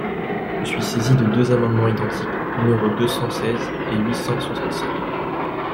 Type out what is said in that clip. Je suis saisie de deux amendements identiques, numéros deux cent seize et huit cent soixante-cinq.